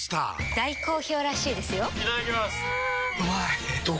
大好評らしいですよんうまい！